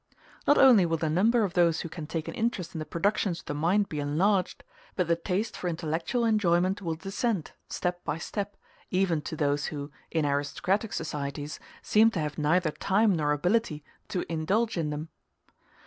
Not only will the number of those who can take an interest in the productions of the mind be enlarged, but the taste for intellectual enjoyment will descend, step by step, even to those who, in aristocratic societies, seem to have neither time nor ability to in indulge in them.